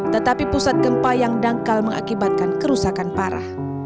tetapi pusat gempa yang dangkal mengakibatkan kerusakan parah